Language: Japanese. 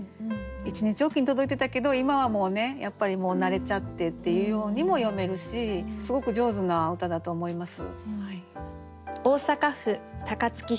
一日おきに届いてたけど今はもうやっぱり慣れちゃってっていうようにも読めるしすごく上手な歌だと思います。